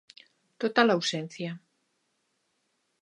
Total ausencia.